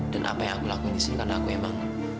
dan apa yang aku lakukan di sini karena aku emang